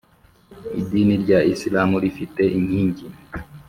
idini rya isilamu rifite inkingi,